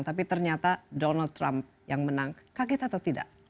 tapi ternyata donald trump yang menang kaget atau tidak